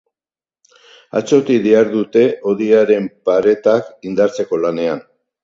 Atzotik dihardute hodiaren paretak indartzeko lanean.